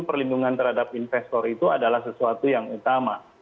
perlindungan terhadap investor itu adalah sesuatu yang utama